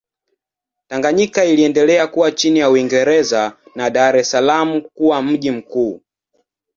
Tanganyika iliendelea kuwa chini ya Uingereza na Dar es Salaam kuwa mji mkuu.